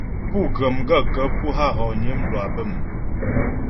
Pú ghə̀ m gaə̂kə́ pú a hɔgnə mlwâ bə̂m ?